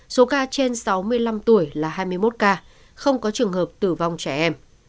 số ca trên sáu mươi năm tuổi là hai mươi một ca không có trường hợp tử vong trẻ em